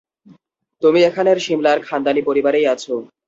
তুমি এখানের সিমলার, খানদানি পরিবারেই আছো।